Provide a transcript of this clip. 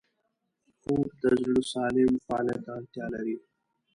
خوب د زړه سالم فعالیت ته اړتیا لري